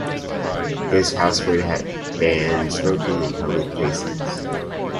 "This House would ban smoking in public places".